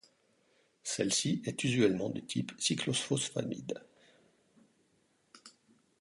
Celle-ci est usuellement de type cyclophosphamide.